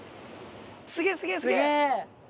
すげえすげえすげえ！